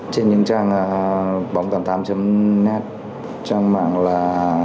trên những trang bóng tám mươi tám net trang mạng là